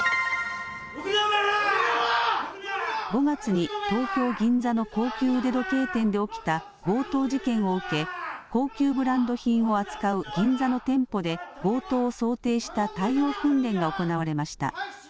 ５月に東京銀座の高級腕時計店で起きた強盗事件を受け高級ブランド品を扱う銀座の店舗で強盗を想定した対応訓練が行われました。